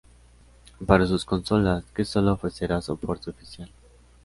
Para sus consolas, iQue solo ofrecerá soporte oficial.